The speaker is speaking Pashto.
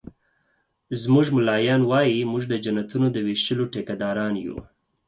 زموږ ملایان وایي مونږ د جنتونو د ویشلو ټيکه داران یو